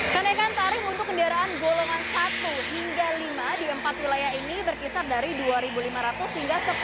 kenaikan tarif untuk kendaraan golongan satu hingga lima di empat wilayah ini berkisar dari dua lima ratus hingga sepuluh